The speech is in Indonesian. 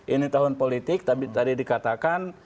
ini tahun politik tapi tadi dikatakan